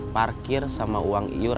parkir sama uang iur